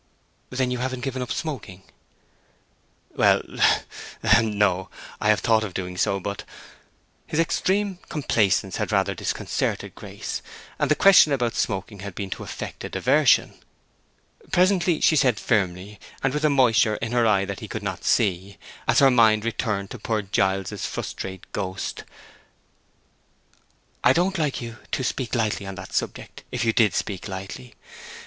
"Then you haven't given up smoking?" "Well—ahem—no. I have thought of doing so, but—" His extreme complacence had rather disconcerted Grace, and the question about smoking had been to effect a diversion. Presently she said, firmly, and with a moisture in her eye that he could not see, as her mind returned to poor Giles's "frustrate ghost," "I don't like you—to speak lightly on that subject, if you did speak lightly.